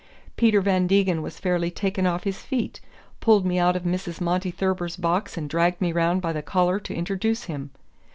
Peter Van Degen was fairly taken off his feet pulled me out of Mrs. Monty Thurber's box and dragged me 'round by the collar to introduce him.